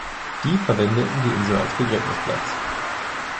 Die verwendeten die Insel als Begräbnisplatz.